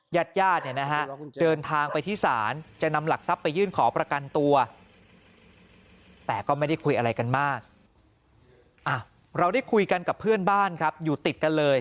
ญาติญาติเดินทางไปที่ศาล